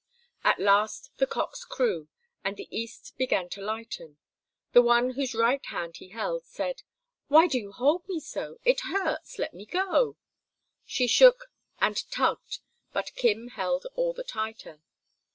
At last the cocks crew, and the east began to lighten. The one whose right hand he held, said, "Why do you hold me so? It hurts; let me go." She shook and tugged, but Kim held all the tighter.